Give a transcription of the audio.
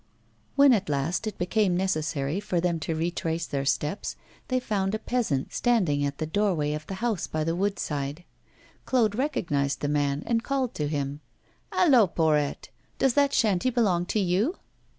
When at last it became necessary for them to retrace their steps, they found a peasant standing at the open doorway of the house by the wood side. Claude recognised the man and called to him: 'Hallo, Porrette! Does that shanty belong to you?